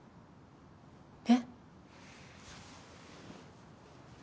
えっ？